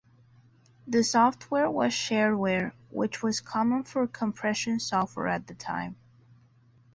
The software was shareware, which was common for compression software at the time.